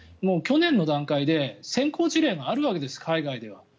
去年の段階で先行事例があるわけです、海外では。